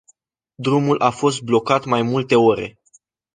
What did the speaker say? Drumul a fost blocat mai multe ore.